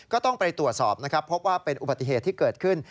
ก็ต้องไปตรวจสอบนะครับพบว่าเป็นอุบัติเหตุที่เกิดขึ้น